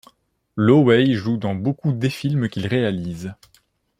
Lo Wei joue dans beaucoup des films qu'il réalise.